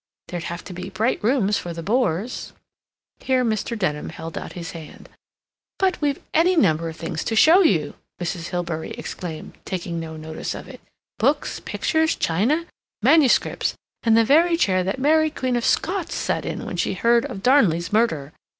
There'd have to be bright rooms for the bores...." Here Mr. Denham held out his hand. "But we've any number of things to show you!" Mrs. Hilbery exclaimed, taking no notice of it. "Books, pictures, china, manuscripts, and the very chair that Mary Queen of Scots sat in when she heard of Darnley's murder.